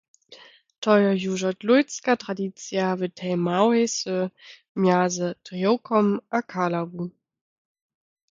To jo južo dłujcka tradicija w tej małej jsy mjazy Drjowkom a Kalawu.